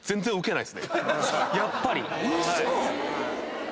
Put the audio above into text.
やっぱり。